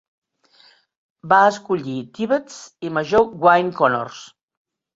Va escollir Tibbets i Major Wayne Connors.